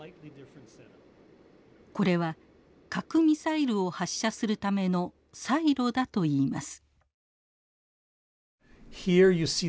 これは核ミサイルを発射するためのサイロだといいます。